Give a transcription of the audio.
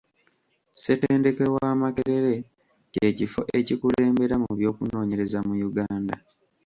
Ssetendekero wa Makerere kye kifo ekikulembera mu by'okunoonyereza mu Uganda.